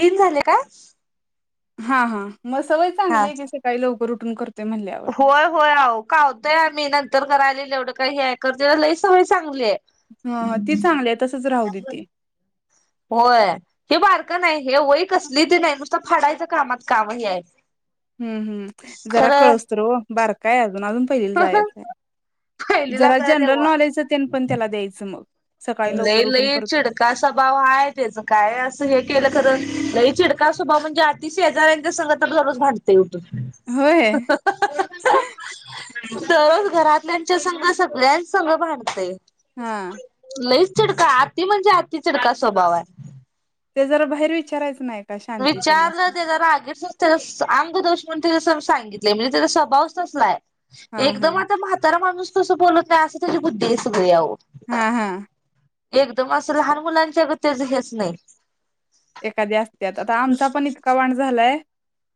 तीन झाले का. हा हा. म सवय हा चांगलेय कीं, सकाळी लवकर उ तुमी कर. होय होय आव का व ताई नंतर करायले, एवढं काही ह करते लई सवय चांगली आहे. हा ती चांगली आहे तसच राहू द्या ती. व्हय हे बारकं नाही हे वय कसली ती नाही नुसतं फाडायचं कामात काम ही आहे. हम्म हम्म जरा खरं कळस तर वो बारका अजून अजून. पहिलील जायचं पहिलीला जरा खरं जनरल तेव्हा नॉलेजते पण त्याला द्यायचं म लई लई चिडका स्वभाव आहे त्याचं काय असं हे केलं तर. लई चिडका स्वभाव म्हणजे अति शेजाऱ्यांच्या संग तर रोजच भांडतो. होय [unintelligible] तरच घरातल्यांच्या संग सगळ्यांसंग भांडतेय. हा लईच चिडका अति म्हणजे अति चिडका स्वभाव हाय. ते जरा बाहेर वी चरायच नाही. का शांती तेन विचारलं असं. ते जरा [unintelligible] कोन त्याजा सर्व सांगितले [unintelligible] म्हणजे त्याचा स्वभावच तसा हे. हा हा एकदम आता म्हातारा माणूस. तस बोलत नाई अस कस बुद्धी असते बयावो. हा हा. एकदम असं लहान मुलांच्या गत त्याज हेच नाही. एखादी असत्यात आता आमचा पण इतका वाण झालाय.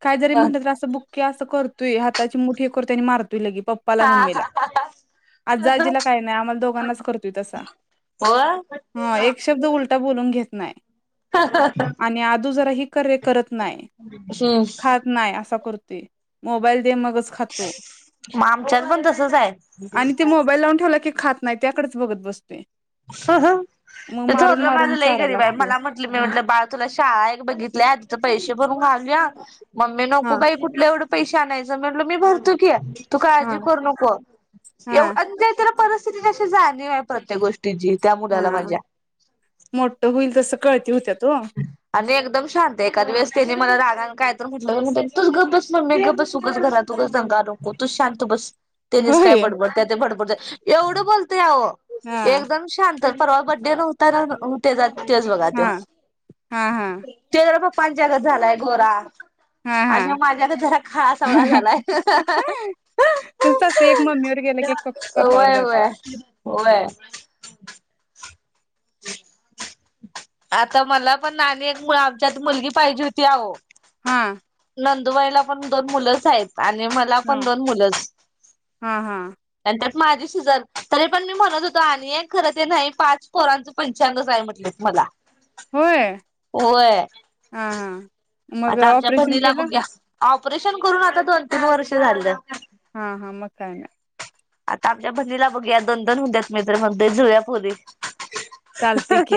काय जरी [unintelligible] हा म्हटलं तर असं बुक की असं करतोय हाताची मुठे हे करतोय आणि मारतोय लगे पप्पाला मम्मींला आज्जा आज्जीला काही नाही आम्हाला दोघांनाच करतोय तसा होय हा एक शब्द उलटा बोलून घेत नाही. आणि आदू जरा ही करे करत नाही हम्म. खात नाही असं. कुर्ती मोबाईल दे मगच खातो मग आमच्यात पण तसच आहे. आणि ते मोबाईल लावून ठेवला की खात नाही त्याकडच बघत बसते. ओ हम्म थोरलं माझ मारून लई चारायला गरीब आहे लागतोय मला म्हंटलं मी हं, म्हटलं बाळ तुला शाळा एक बघितल्या तिथं पैसे भरून आलया. मम्मी हा नको बाई कुठलं एवढं. पैश आणायच म्हटल मी भरतो की या. तू हा काळजी करू नको हा एव [unintelligible] परिस्थिती तशी जाणीव आहे प्रत्येक गोष्ट त्याजी त्या मुलाला हा माझ्या म्हणजे मोठ होईल तसं कळती होत्यात ओ आणि एकदम शांत आहे एखाद्या वेळेस त्यांनी मला रा कारण काय तर म्हटलं तूच गप बस मम्मी गप बस उगाच घरात दंगा नको तू शांत बस. त्यानेच काय होय बडबडता ते एवढं बोलतय आओ हा पोहोचले. एकदम शांत परवा बड्डे नव्हता ते तेच बघा हा त हा हा ते ज पाच जगत झालाय घोरा हा आणि मग हा माझ्या न जरा का सावळा झालाय तुमचं असते एक मम्मीवर गेलं य की एक पप्पावर वय जात्यात वय आता मला पण नाणी एक मु आमच्यात मुलगी पाहिजे होती अहो हा नंदुबाईला पण दोन मुलंच आहेत आणि मला हा पण दोन मुलं हा हा माझी सिजर तरी पण मी म्हणत होतो आणि खरं ते नाही पाच पोरांचा पंचांगच हाय म्हणलेत मला होय होय हा हा मग आता आमच्या ऑपरेशन बहिणीला केलं बघूया ऑपरेशन करून आता दोन तीन वर्ष झालं हा हा म काय ना आता आमच्या भहिणीला बघूया दोन दोन होत्यात मित्र म्हणते जुळ्यापोरी चालतंय की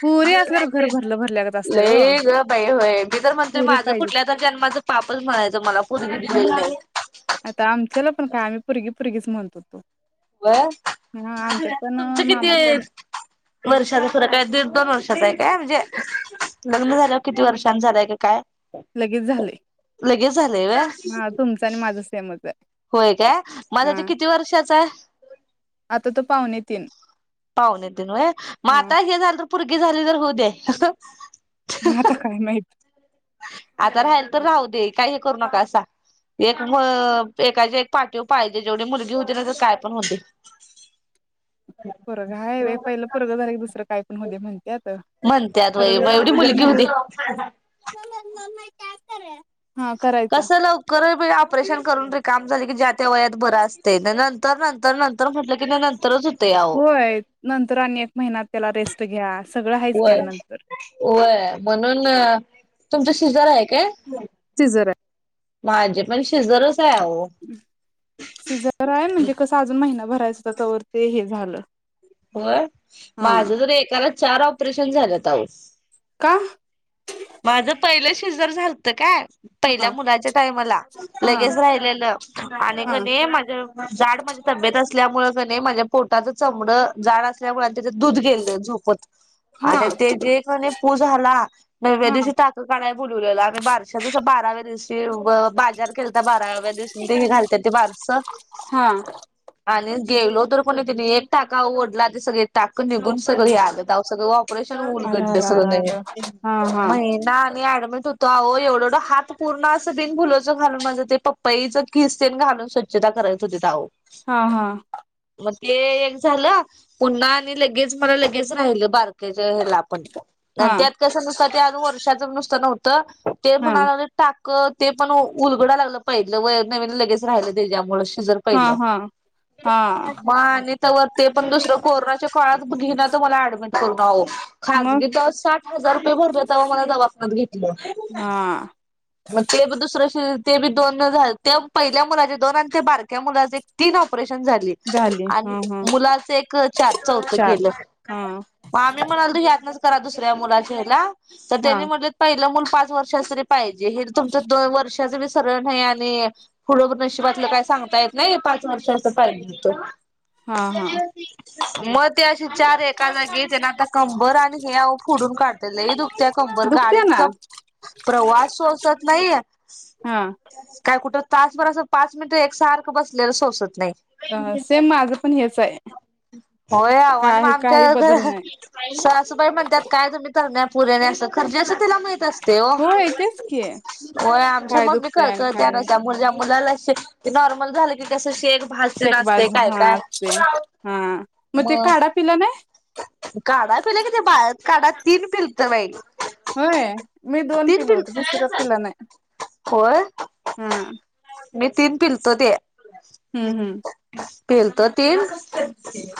पुरी असल्यावर घर भरलं भरल्यागत असतय ओ लई ग बाई होय मी तर म्हणते पुरी माझं पाहिजे कुठल्या तर जन्माचं पापच म्हणायचं मला पोरगी दिलेल नाही आता आमच्याला पण काय आम्ही पोरगी पोरगीच म्हणत होतो [inaudible] हा आमच्यात पण तुमचं किती मामाच्या वर्षाने सुर काय दीड दोन वर्ष का म्हणजे लग्न झाल्यावर किती वर्षां नंतर झालंय का काय लगेच झालंय लगेच झालंय व्हय हा तुमचं आणि माझ सेमच झालय होय काय माझ ते किती वर्षाचा हाय नितीन पावणेतीन होय मग आता हे झालं पोरगी झाली तर होऊ दे आता काय माहित आता राहिल तर राहू दे काही हे करू नकासा एक एकाच्या एक पाठीवर पाहिजे जेवढी मुलगी हो दे नाहीतर काय पण होऊ दे पोरग हाय व्हय पहिलं पोरग झाल दुसरं काय पण होउदे म्हणत्यात म्हणतत खरं वय मग जरा एवढी सिजर मुलगी मध्ये हुदे. टास्क र. कस लवकर हाय बाई ऑपरेशन करून री काम झाले की ज्या त्या वयात बरं असतय त्या नंतर, नंतर, नंतर म्हटलं की नंतरच होतंय अहो. होय नंतर आणि एक महिन्यात तेला रेस्ट घ्या. सगळं आहेच की व्हय नंतर व्हय म्हणून तुमचा शिजर आहे काय? सिजर आहे. माझे पण शिझरस आहे अहो. सिझर आहे म्हणजे कसं अजून महिना भरायच त्याच्या वर ते हे झालं. होय हा माझं जर एकाला चार ऑपरेशन झालेत आहो. का माझं पहिलं शिजर झालतं काय हा पहिल्या मुलाच्या टाइमला हा लगेच राहिलेलं आणि हा माझं जाड माझी तब्येत अस त्यामुळे माझ्या पोटाच चमड जाड असल्यामुळे यांच्यात दूध गेले झोपत हा आणि ते जे कणी पू झाला नव्या हा दिवशी टाक काढाला बोलवलेला आम्ही बारश बाराव्या दिवस ते बाजार खेलता बाराव्या दिवशी ते हे घालते ते बारस हा देवलो पुन्ही तीन्ही एक टाक गाव ओढला ते सगळे टाक निघून सगळे आलं गाव सगळं वा प्ररशन अर उलगडल अर अर सगळ्या अर नवीन हा हा महिना आणि होतो आह एवढंढ हात पूर्ण असं बिन फुलाचं घालून माझं ते पप्पाई ज किस्तीन घालून स्वच्छता करत होते आहो. हा हा. मग ते एक झालं पुन्हा आणि लगेच मला लगेच राहिल बार त्याच्या ह्याला पण, हा त्यात कस नसत ते आज वर्षाचं नुसतं नव्हतं ते हा म्हणा लागलं टाक ते पण उलगडा लागलं पहिलं व्हय नवीन लगेच राहिलं त्याच्यामुळे सिजर हा पहिल हा हा म आणि तवर ते पण दुसरं कोरोनाच्या काळात घेनात तर मला ऍडमिट करून आहो. मग खाजगी तर साठ हजार रुपये भरले, तवा मला दवाखानत घेतलं. हा. मग ते ब दुसरं ते बी दोन झा ते पहिल्या मुलाचे दोन आणि ते बारक्या मुलाचे तीन ऑपरेशन झाली झाली आणि हा हा मुलाचा एक चार चौथं चार केलं, हा आम्ही म्हणालो ह्यातनच करा दुसरं दुसऱ्या मुलाच्या ह्याला तर हा त्यानी म्हटले पहील मुल पाच वर्षाचं तरी पाहि जे हे तुमच् वर्षाचं बी सरळ नाही आणि पुढे पण नशिबातलं काही सांगता येत नाही पाच वर्षाचा पाहिजेत. हा हा मग ती अशी चार एका जागीचन आता कंबर आणि हाव फोडून काढते लय दुखते कंबर दुखते ना गाडीचा प्रवास सोसत नाही काय कुठं तासभर अस पाच मिनिट एकसारखं बसलेलं सोसत नाही. हा सेम माझं पण हेच आहे होय आहो आणि मग काही काही आमच्या बदल घर नाही सासूबाई म्हणतात काय तुम्ही तरण्या [unintelligible] खरं ज्याचं त्याला माहीत अस ते ओ. होय तेच की काय समजले दुखतय आणि काय नाही [unintelligible] मुलाला शिक नॉर्मल झाल की कस ते एक भाषण असतं शेकबाज काय हा काय असते हा मग ते म काढा पिला नाही काढता लगेच बाहेर. कडा तीन पिलत बाई. होय मी दोन तीन पिलो होतो. तीसर पिल पील नाही. होय हा. मी तीन पिलतो ते. हम्म हम्म. पीलत तीन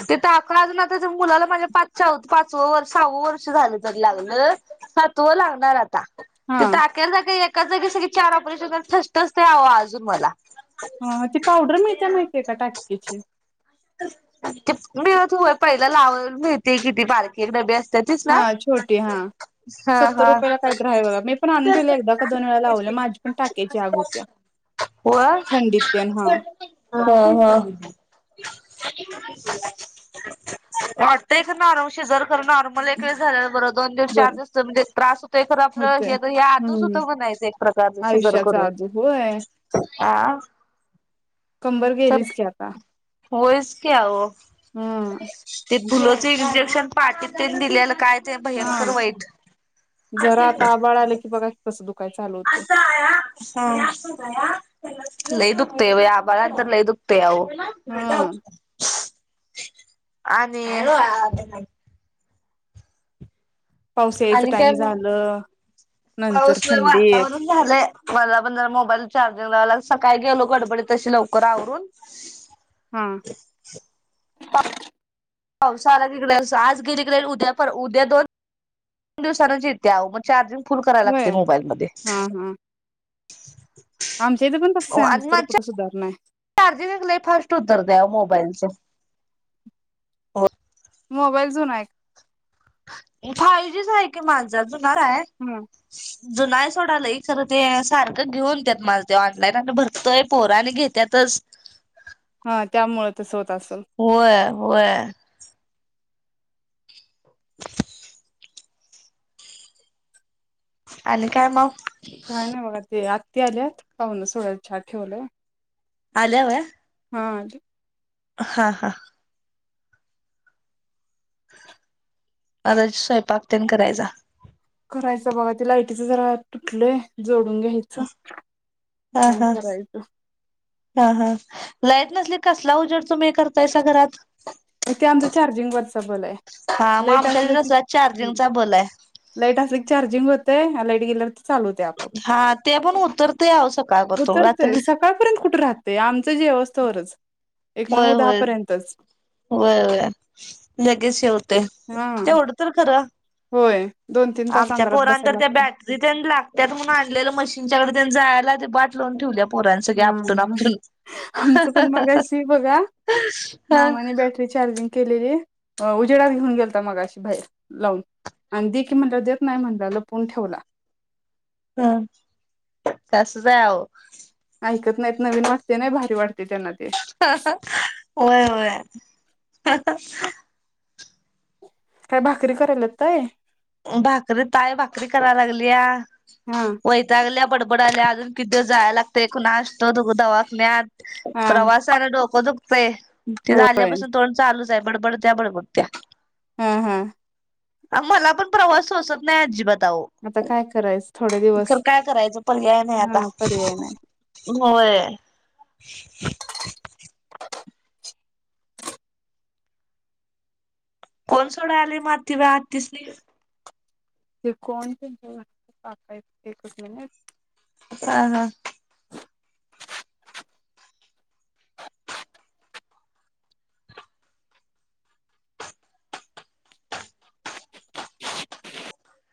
तीथ आप ण अजून आता मुलाला माझ्या पाच पाचव वर् सहावं वर्ष झालं तरी लागलं सातवं लागणार आता. ते हा टाक्यांचा काही - - एकाच जागी सगळी चार ऑपरेशन ठस ठसतं अहो अजून मला. ह ती पावडर मिळतीया माहिते का टाक्याची? ती मिळती व्हय पहिलं लावू मिळती की ती बारकी एक डबी असते. तीच हा ना छोटी हा हा सत्तर हा रुपयाला काहीतरी हाय बघा मी पण आणून ठेवलं एकदा का दोन वेळा लावले माझी पण टाक्याची आग होत्या थंडीत तेन ह. ह ह. वाटतय का नॉर्मल सिजर खर नॉर्मल एक वेळेस झालेल बरं दोन दिवस चार बरं दिवस म्हणजे त्रास होत खरं आपलं होतय हे आधूस होत हम्म म्हणायचं एक प्रकार शिजर आयुष्याचा करून. आजू होय आ. कंबर तर गेलीच की आता. होयच की आहो. हम्म. भुलच इंजक्शन पाटीत तेन दिलेल काय? ते हा भयंकर वाईट -जरा आता आबाळ आलं की बघा की कस दु - असं हाय हा [inaudible] लय दुखतंय बया मला तर लय दुकतय आवो. ह..... आणि हो [inaudible] पाऊस यायच आणि काय टाइम मग झालं. नंतर पाऊस थंडी येत- वातावरण झालंय मला पण जरा मोबाईल चार्जिंग लावायला. सकाळी गेलो गडबडीत तशी लवकर आवरून. हा ते [inaudible] हो सहाला तिकडे असतो आज गेली तिकडे उद्या पर उद्या दोन- दोन दिवसां आडच येते अहो, मग चार्जिंग फुल कराय लागते होय मोबाईलमध्ये. हा हा आमच्या इथे पण तसंच हो आहे आणि आमचं म तर चा कुठं सुधारणा आहे चार्जिंगच लई फास्ट उतरते आहो मोबाईलचे. जा.. होय. मोबाईल जुना हाय. फाय जीच आहे की माझा. घर आहे? हा ज नाही सोडालाय इचारलं ते सारखं घेऊन त्यात माझ ते ऑनलाईन आणि भरतोय पोरा आणि घेत्यातच. हा त्यामुळेच असं होत. असेल होय. वय आणि काय माऊ? त आल्यात पाहून [unintelligible] छान ठेवलं आला व्हय. हा आज. हा हा. अता स्वयंपाक त्येनं करायचा. करायचं बघा. ते लाइटीचं जरा तुटलंय. जोडून घ्यायचं हा आणि हा.. करायचं हा हा- लाईट नसली कसला उजेड तुम्ही करतायसा घरात? ते आमच चार्जिंग वरचा बल हाय. हा मग लाईट आमच्या असलं इथं की, कसला चार्जिंगचा बल आहे. लाईट असलं की चार्जिंग होत ते ह्याला गेलेलात. चालू होतंय आपआप. हा ते पण उतरते आव सकाळपासून उतरतय रात्री सकाळपर्यंत कुठे राहतय आमच जेवस्थ तरच. एक नऊ दहा पर्यंतच. व्हय व्हय लगेच हे होतंय, हा तेवढं तर ख [inaudible] होय. दोन तीन तास आमच्या अंधारात पोरांनी तर बसायला त्या लागते बॅटरी तेन लागत्या म्हणुन आणलेल मशीनच्या कड जायला ते वाट लावून ठेवल्या. पोरांनी सगळे आपटून हा आपटून ह आमचं पण ह मगाशी बघा हा. मामाने बॅटरी चार्जिंग केलेली उजेडात घेऊन गेलता मगाशी बाहेर. लावून आणि दे की म्हटल्यावर देत नाही म्हटला लपून ठेवला. हम्म, ते असंच हाय अहो. ऐकत नाहीत नवीन वाटते नाही भारी वाटते. त्यांना ते हम्म हा हा. होय होय. ह हा हा. काय भाकरी करायलात होय? भाकरी ताय भाकरी कराय लागल्या. हा वैतागल्या बडबड आल्या अजून किे जायला लागतय कुणाष्टक. [unintelligible] हा प्रवासाला डोक दुख पे ते होय झाल्यापासून तोंड चालू बडबडत्या बडबडत्या. हं हं. अ मला पण प्रवास सोसत नाही अजिबात. तव. आता काय करायच थोडे दिवस खरं काय करायचं पर्याय नाही आता. हा पर्याय नाही होय. कोण सोडाय आलय मग [unintelligible] अतिसनी? [unintelligible] एकच मिनट. ह हा.